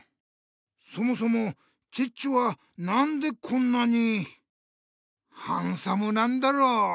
そもそもチッチはなんでこんなにハンサムなんだろう？